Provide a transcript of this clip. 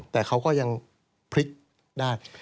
แต่เขาก็ยังพลิกได้